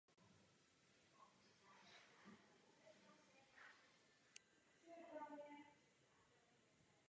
Výrobu provádí v areálu zaniklého závodu Let Kunovice.